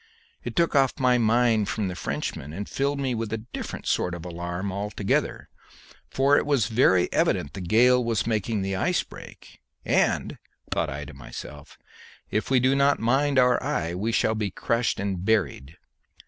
It took off my mind from the Frenchman, and filled me with a different sort of alarm altogether, for it was very evident the gale was making the ice break; and, thought I to myself, if we do not mind our eye we shall be crushed and buried.